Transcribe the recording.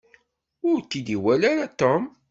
Ur k-id-iwala ara Tom.